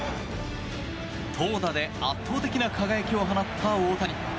投打で圧倒的な輝きを放った大谷。